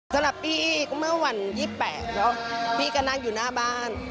สำหรับพี่เมื่อวัน๒๘เนอะพี่ก็นั่งอยู่หน้าบ้าน